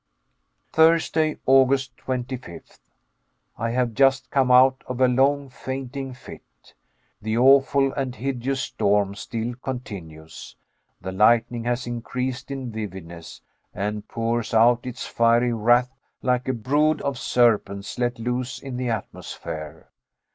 ............. Tuesday, August 25th. I have just come out of a long fainting fit. The awful and hideous storm still continues; the lightning has increased in vividness, and pours out its fiery wrath like a brood of serpents let loose in the atmosphere.